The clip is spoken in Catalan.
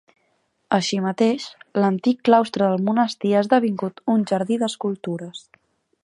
Així mateix, l’antic claustre del monestir ha esdevingut un jardí d’escultures.